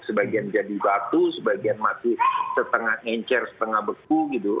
sebagian jadi batu sebagian masih setengah encer setengah beku gitu